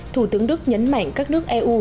thủ tướng đức nhấn mạnh các nước eu